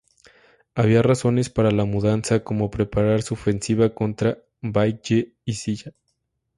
Había razones para la mudanza, como preparar su ofensiva contra Baekje y Silla.